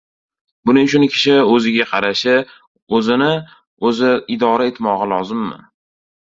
Buning uchun kishi o‘ziga qarashi, o‘zini o‘zi idora etmog‘i lozimmi?